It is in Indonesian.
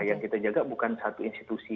yang kita jaga bukan satu institusi